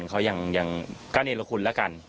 เขายังก็เนรคุณแล้วกัน